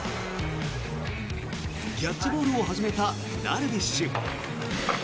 キャッチボールを始めたダルビッシュ。